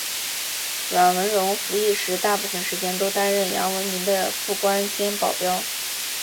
阮文戎服役时大部分时间都担任杨文明的副官兼保镖。